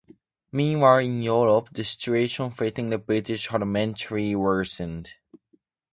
Meanwhile, in Europe, the situation facing the British had materially worsened.